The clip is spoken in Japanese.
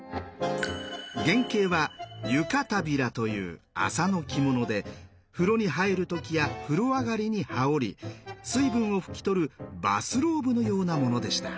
原型は「湯帷子」という麻の着物で風呂に入る時や風呂上がりに羽織り水分を拭き取るバスローブのようなものでした。